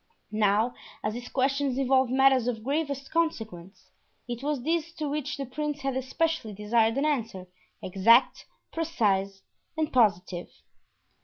Now, as these questions involved matters of gravest consequence, it was these to which the prince had especially desired an answer, exact, precise, positive.